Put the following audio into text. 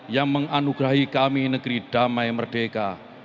yang menganugerahi kami negeri damai merdeka